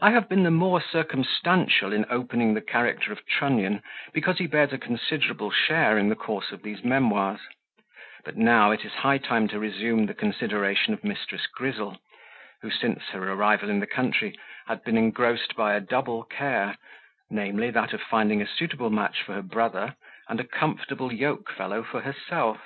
I have been the more circumstantial in opening the character of Trunnion, because he bears a considerable share in the course of these memoirs; but now it is high time to resume the consideration of Mrs. Grizzle, who, since her arrival in the country, had been engrossed by a double care, namely, that of finding a suitable match for her brother, and a comfortable yoke fellow for herself.